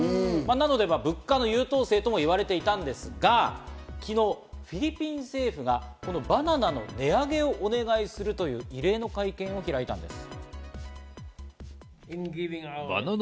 なので物価の優等生ともいわれていたんですが、昨日、フィリピン政府がこのバナナの値上げをお願いするという異例の会見を開いたんです。